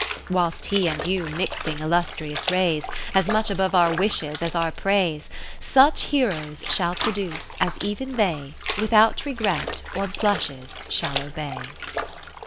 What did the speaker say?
Whilst he and you mixing illustrious rays. As much above our wishes as our praise. Such heroes shall produce, as even they Without regret or blushes shall obey.